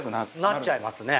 なっちゃいますね。